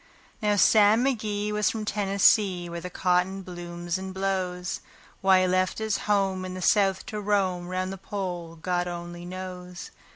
Now Sam McGee was from Tennessee, where the cotton blooms and blows. Why he left his home in the South to roam 'round the Pole, God only knows.